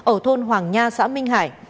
ở thôn hoàng nha xã minh hải